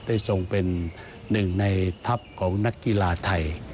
ทรงเป็นหนึ่งในทัพของนักกีฬาไทย